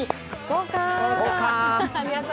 豪華！